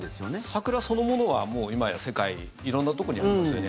桜そのものは、今や世界色んなところにもありますよね。